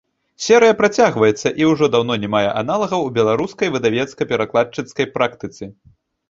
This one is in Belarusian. Серыя працягваецца і ўжо даўно не мае аналагаў у беларускай выдавецка-перакладчыцкай практыцы.